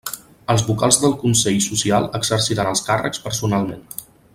Els vocals del Consell Social exerciran els càrrecs personalment.